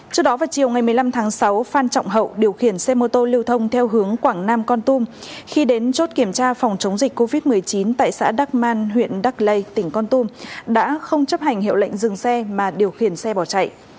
trước đó vào chiều ngày một mươi năm tháng sáu phan trọng hậu điều khiển xe mô tô lưu thông theo hướng quảng nam con tum khi đến chốt kiểm tra phòng chống dịch covid một mươi chín tại xã đắc man huyện đắc lây tỉnh con tum đã không chấp hành hiệu lệnh dừng xe mà điều khiển xe bỏ chạy